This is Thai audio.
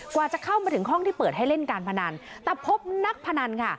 กว่าจะเข้ามาถึงห้องที่เปิดให้เล่นการพนันแต่พบนักพนันค่ะ